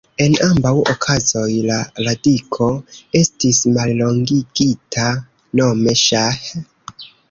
En ambaŭ okazoj la radiko estis mallongigita, nome ŝah.